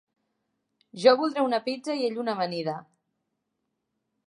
Jo voldré una pizza i ell una amanida.